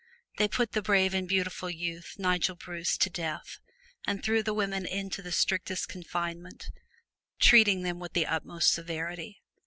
They put the brave and beautiful youth, Nigel Bruce, to death, and threw the women into the strictest confinement, treating them with the ut most severity.